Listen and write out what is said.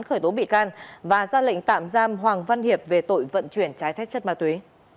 khởi tố bị can và ra lệnh tạm giam hoàng văn hiệp về tội vận chuyển trái phép chất ma túy